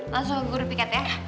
langsung ke guru piket ya